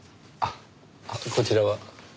あっこちらは？